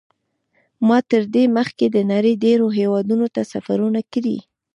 ما تر دې مخکې د نړۍ ډېرو هېوادونو ته سفرونه کړي.